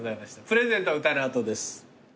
プレゼントは歌の後です。